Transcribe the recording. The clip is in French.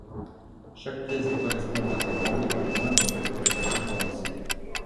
Chaque pièce doit correspondre à commandes au moins pour que la fabrication soit lancée.